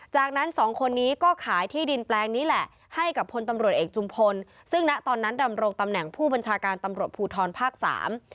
จากนั้นสองคนนี้ก็ขายที่ดินแปลงนี้แหละให้กับพลตำรวจเอกจุมพลซึ่งณตอนนั้นดำรงตำแหน่งผู้บัญชาการตำรวจภูทรภาคสาม